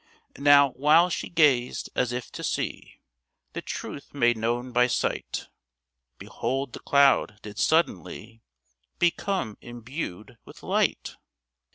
Now, while she gazed as if to see The truth made known by sight, Behold the cloud did suddenly Become imbued with light.